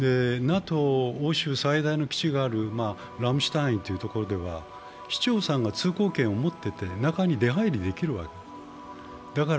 ＮＡＴＯ、欧州最大の基地があるラムシュタインというところでは市長さんが通行権を持ってて中に出入りできるわけです。